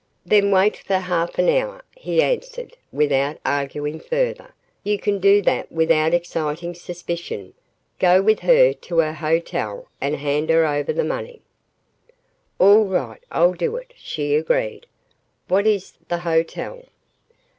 "Then wait for half an hour," he answered, without arguing further. "You can do that without exciting suspicion. Go with her to her hotel and hand her over the money." "All right I'll do it," she agreed. "What is the hotel?"